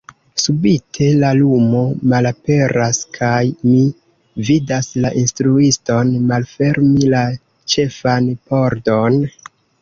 Subite la lumo malaperas, kaj mi vidas la instruiston malfermi la ĉefan pordon...